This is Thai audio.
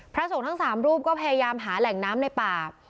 พระสงฆ์ทั้ง๓รูปก็พยายามหาแหล่งน้ำในป่า